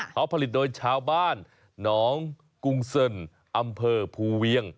เขาผลิตโดยชาวบ้านหนองกุงเซินอำเภอภูเวียง